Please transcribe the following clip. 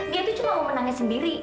dia itu cuma mau menangnya sendiri